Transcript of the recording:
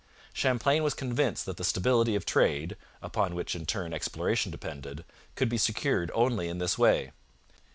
Champlain was convinced that the stability of trade (upon which, in turn, exploration depended) could be secured only in this way.